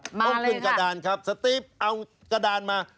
มาเลยครับต้องขึ้นกระดานครับสตีฟเอากระดานมา